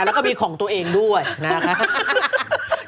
แล้วก็มีของตัวเองด้วยนะครับ